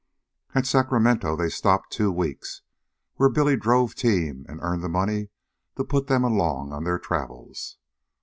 At Sacramento they stopped two weeks, where Billy drove team and earned the money to put them along on their travels.